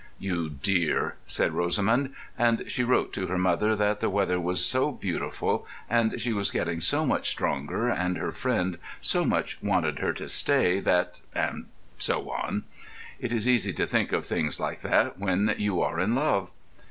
"You dear," said Rosamund; and she wrote to her mother that the weather was so beautiful, and she was getting so much stronger, and her friend so much wanted her to stay, that ... and so on. It is easy to think of things like that when you are in love.